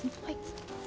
はい